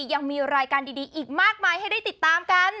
ยังมีรายการดีอีกมากมายให้ได้ติดตามกัน